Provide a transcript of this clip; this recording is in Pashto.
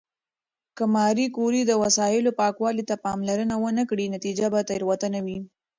که ماري کوري د وسایلو پاکوالي ته پاملرنه ونه کړي، نتیجه به تېروتنه وي.